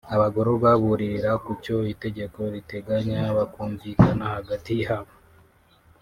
Abagororwa buririra ku cyo itegeko riteganya bakumvikana hagati yabo